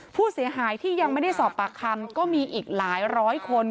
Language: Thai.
ผู้เสียหายที่ยังไม่ได้สอบปากคำก็มีอีกหลายร้อยคน